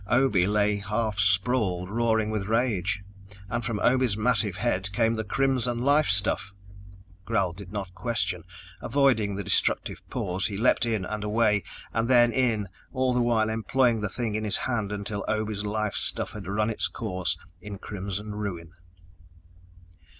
Obe lay half sprawled, roaring with rage, and from Obe's massive head came the crimson life stuff! Gral did not question. Avoiding the destructive paws, he leaped in and away, and then in, all the while employing the thing in his hand until Obe's life stuff had run its course in crimson ruin.